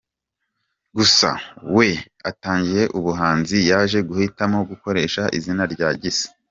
Gusa we atangiye ubuhanzi yaje guhitamo gukoresha izina rya Gisa.